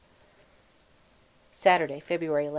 Saturday, February 11.